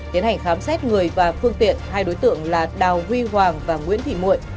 tiến hành khám xét người và phương tiện hai đối tượng là đào huy hoàng và nguyễn thị mụi